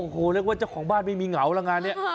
โอ้โหเรียกว่าเจ้าของบ้านไม่มีเหงาแล้วงานนี้